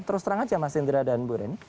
terus terang aja mas indra dan buren